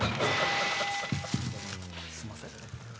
すんません。